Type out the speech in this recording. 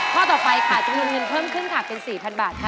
ข้อต่อไปค่ะจำนวนเงินเพิ่มขึ้นค่ะเป็น๔๐๐บาทค่ะ